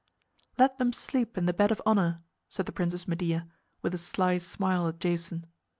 "Let them sleep in the bed of honor," said the Princess Medea, with a sly smile at Jason.